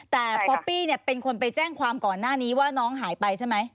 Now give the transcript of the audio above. แต่ป๊อปปี้เป็นคนไปแจ้งความก่อนหน้านี้ว่าน้องหายไปใช่ไหม